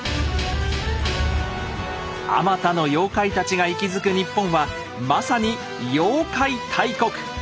あまたの妖怪たちが息づくニッポンはまさに妖怪大国！